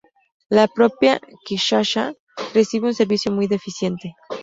La propia Kinshasa recibe un servicio muy deficiente.